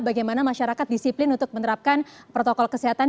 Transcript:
bagaimana masyarakat disiplin untuk menerapkan protokol kesehatan